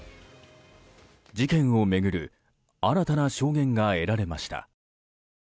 事件を巡る新たな証言が得られました。